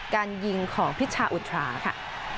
การยิงของพิชาอุทราค่ะ